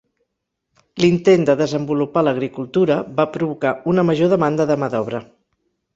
L'intent de desenvolupar l'agricultura va provocar una major demanda de mà d'obra.